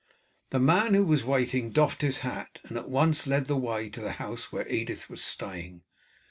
The man who was waiting doffed his hat, and at once led the way to the house where Edith was staying.